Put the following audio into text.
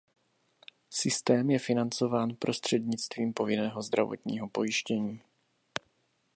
Systém je financován prostřednictvím povinného zdravotního pojištění.